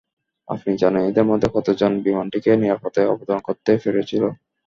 আপনি জানেন এদের মধ্যে কতজন বিমানটিকে নিরাপদে অবতরণ করতে পেরেছিল?